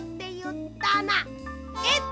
えっ！